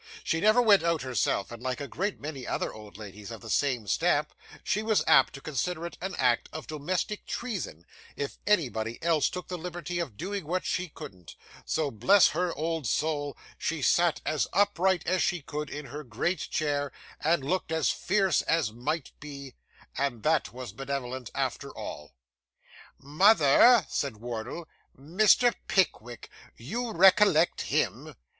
She never went out herself, and like a great many other old ladies of the same stamp, she was apt to consider it an act of domestic treason, if anybody else took the liberty of doing what she couldn't. So, bless her old soul, she sat as upright as she could, in her great chair, and looked as fierce as might be and that was benevolent after all. 'Mother,' said Wardle, 'Mr. Pickwick. You recollect him?